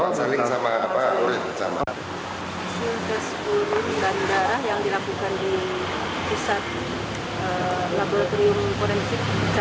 pemeriksaan apa hari ini mbak rambut ya